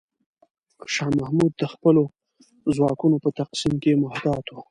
شاه محمود د خپلو ځواکونو په تقسیم کې محتاط و.